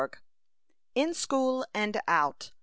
IN SCHOOL AND OUT.